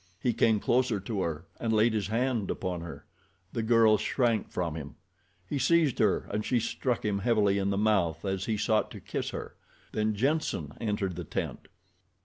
He came closer to her and laid his hand upon her. The girl shrank from him. He seized her and she struck him heavily in the mouth as he sought to kiss her. Then Jenssen entered the tent.